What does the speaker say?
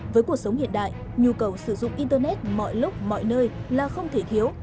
với cuộc sống hiện đại nhu cầu sử dụng internet mọi lúc mọi nơi là không thể thiếu